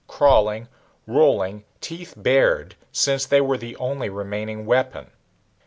Crawling, rolling, teeth bared, since they were the only remaining weapon.